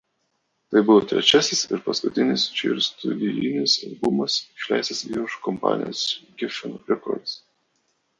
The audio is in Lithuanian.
Tai buvo trečiasis ir paskutinis Cher studijinis albumas išleistas įrašų kompanijos „Geffen Records“.